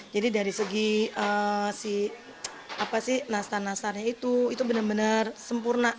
jadi dari segi nastar nastarnya itu itu benar benar sempurna